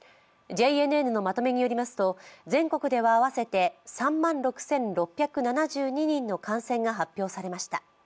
ＪＮＮのまとめによりますと全国で合わせて３万６６７２人の感染が発表されました。